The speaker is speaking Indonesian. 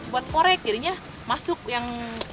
buat more kirinya masuk yang segini pun